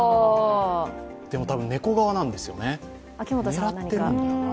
でもたぶん、猫側なんですよね？